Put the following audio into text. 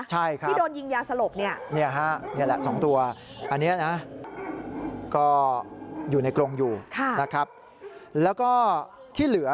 ใช่ครับนี่แหละ๒ตัวอันนี้นะก็อยู่ในกรงอยู่นะครับแล้วก็ที่เหลือ